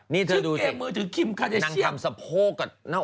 นี่เธอดูสินางทำสะโพกกับหน้าอก